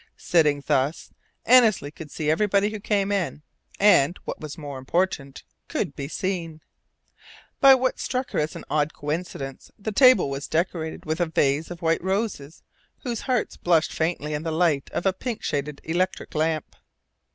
Sitting thus, Annesley could see everybody who came in, and what was more important could be seen. By what struck her as an odd coincidence, the table was decorated with a vase of white roses whose hearts blushed faintly in the light of a pink shaded electric lamp.